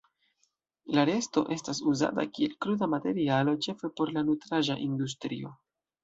La resto estas uzata kiel kruda materialo, ĉefe por la nutraĵa industrio.